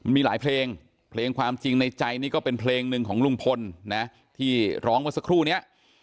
มีหลายเพลงเพลงความจริงในใจนี่ก็เป็นเพลงหนึ่งของลุงพลนะที่ร้องเมื่อสักครู่นี้